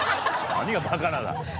何が「バカな」だ。